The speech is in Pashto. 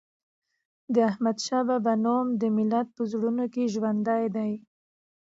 د احمد شاه بابا نوم د ملت په زړونو کې ژوندی دی.